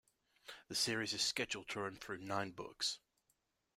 The series is scheduled to run through nine books.